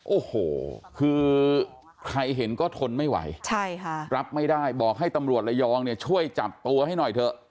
โอ้โหคือใครเห็นก็ทนไม่ไหวใช่ค่ะรับไม่ได้บอกให้ตำรวจระยองเนี่ยช่วยจับตัวให้หน่อยเถอะ